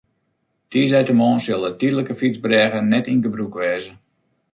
Tiisdeitemoarn sil de tydlike fytsbrêge net yn gebrûk wêze.